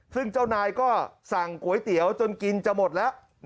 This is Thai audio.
ซึ่งเจ้านายก็สั่งก๋วยเตี๋ยวจนกินจะหมดแล้ว